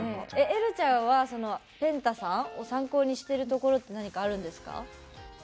えるちゃんはぺんたさんを参考にしてるところって何かあるんですか？